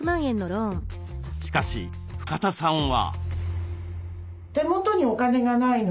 しかし深田さんは。